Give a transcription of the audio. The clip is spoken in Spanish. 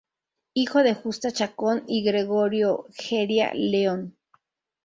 Hijo de Justa Chacón y Gregorio Jeria León.